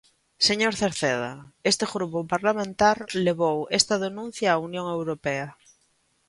Señor Cerceda, este grupo parlamentar levou esta denuncia á Unión Europea.